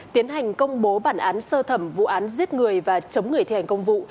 tiến hành công bố bản án sơ thẩm vụ án giết người và chống người thi hành công vụ